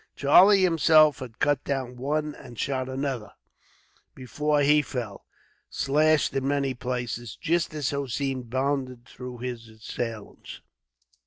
Charlie himself had cut down one and shot another, before he fell, slashed in many places, just as Hossein bounded through his assailants.